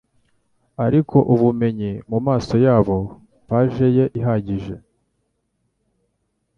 Ariko Ubumenyi mumaso yabo page ye ihagije,